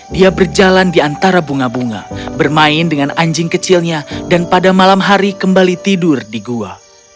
dia berjalan di antara bunga bunga bermain dengan anjing kecilnya dan pada malam hari kembali tidur di gua